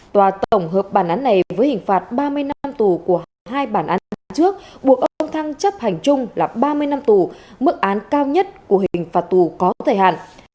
tòa tổng hợp bản án này với hình phạt ba mươi năm năm tù của hai bản án phạt trước buộc ông thăng chấp hành chung là ba mươi năm tù mức án cao nhất của hình phạt tù có thời hạn